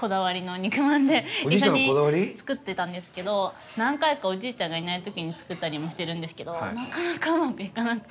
一緒に作ってたんですけど何回かおじいちゃんがいない時に作ったりもしてるんですけどなかなかうまくいかなくて。